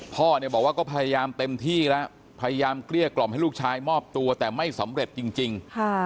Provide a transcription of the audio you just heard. พ่อเนี่ยบอกว่าก็พยายามเต็มที่แล้วพยายามเกลี้ยกล่อมให้ลูกชายมอบตัวแต่ไม่สำเร็จจริง